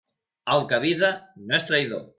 El que avisa no és traïdor.